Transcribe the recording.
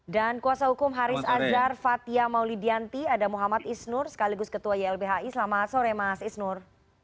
dan kuasa hukum haris azhar fathia mauli dianti ada muhammad isnur sekaligus ketua ylbhi selamat sore mas isnur